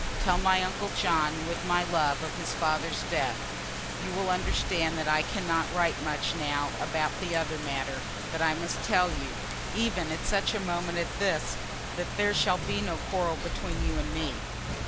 Tell my uncle John, with my love, of his father's death. You will understand that I cannot write much now about that other matter; but I must tell you, even at such a moment as this, that there shall be no quarrel between you and me.